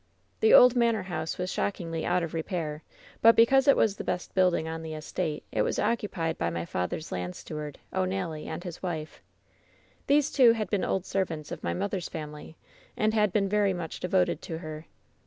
"The old manor house was shockingly out of repair, but because it was the best building on the estate it was occupied by my father's land steward, O'Nally, and his wife. "These two had been old servants of my mother's family, and had been very much devoted to her.